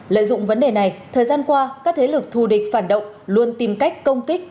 lợi dụng vấn đề này thời gian qua các thế lực thù địch phản động luôn tìm cách công kích